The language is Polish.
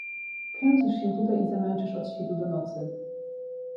Kręcisz się tutaj i zamęczasz się od świtu do nocy…